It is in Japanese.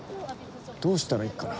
どうしたらいっかな。